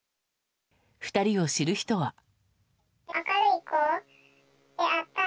２人を知る人は。